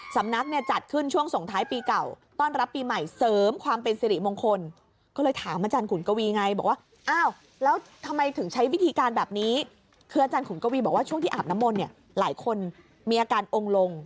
สำนักจัดขึ้นช่วงสงท้ายปีเก่าต้อนรับปีใหม่เสริมความเป็นสิริมงคล